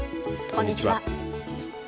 こんにちは。